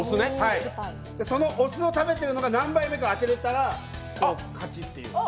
そのお酢を食べているのが何杯目か当てれたら勝ちです。